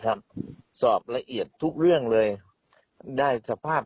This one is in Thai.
ครับสอบละเอียดทุกเรื่องเลยได้ทราบ